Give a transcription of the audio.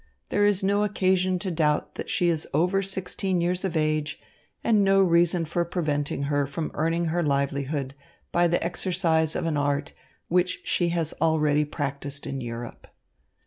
There is no occasion to doubt that she is over sixteen years of age and no reason for preventing her from earning her livelihood by the exercise of an art which she has already practised in Europe."